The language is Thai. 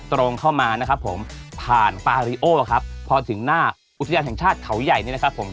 ตรงเข้ามานะครับผมผ่านฟาริโอครับพอถึงหน้าอุทยานแห่งชาติเขาใหญ่เนี่ยนะครับผม